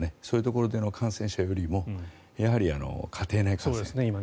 そういうところでの感染者よりもやはり家庭内感染。